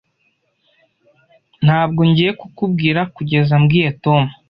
Ntabwo ngiye kukubwira kugeza mbwiye Tom.